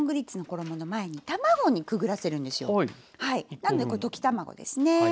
なのでこれ溶き卵ですね。